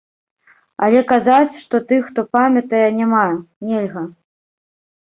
Але казаць, што тых, хто памятае, няма, нельга.